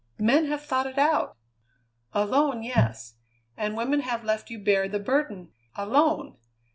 Men have thought it out!" "Alone, yes. And women have let you bear the burden alone.